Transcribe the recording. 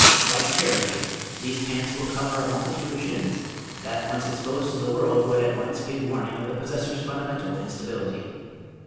Like charity, these pants will cover a multitude of shins that once exposed to the world would at once give warning of the possessors' fundamental instability.